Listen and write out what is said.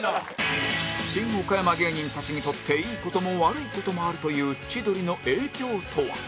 シン・オカヤマ芸人たちにとっていい事も悪い事もあるという千鳥の影響とは？